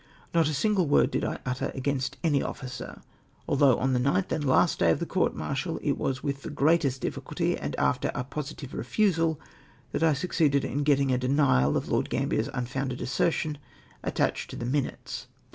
Not a single word did I utter against any officer ; though, on the ninth and last day of the court martial, it was with the greatest difficulty, and after a positive refusal, that I succeeded in getting a denial of Lord Gambler's unfounded assertion attached to the Minutes.